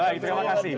baik terima kasih